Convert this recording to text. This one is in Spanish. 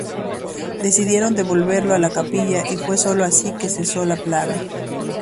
Decidieron devolverlo a la capilla y fue sólo así que cesó la plaga.